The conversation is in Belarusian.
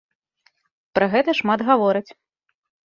Пра гэта шмат гавораць.